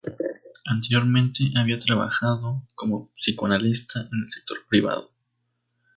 Anteriormente, había trabajado como psicoanalista en el sector privado.